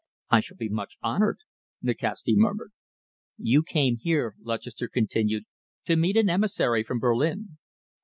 "I shall be much honoured," Nikasti murmured. "You came here," Lutchester continued, "to meet an emissary from Berlin.